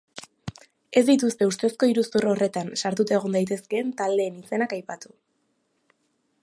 Ez dituzte ustezko iruzur horretan sartuta egon daitezkeen taldeen izenak aipatu.